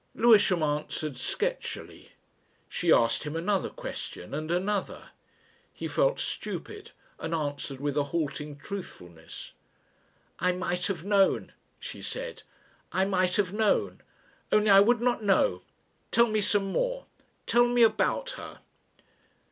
Lewisham answered sketchily. She asked him another question and another. He felt stupid and answered with a halting truthfulness. "I might have known," she said, "I might have known. Only I would not know. Tell me some more. Tell me about her."